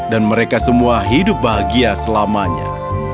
dan mereka semua hidup bahagia selamanya